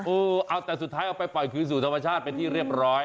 เออเอาแต่สุดท้ายเอาไปปล่อยคืนสู่ธรรมชาติเป็นที่เรียบร้อย